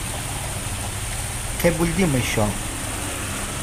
Què vull dir amb això?